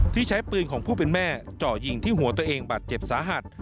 ที่ใช้ปืนของผู้เป็นแม่เจาะยิงที่หัวตัวเองบาดเจ็บสาหัส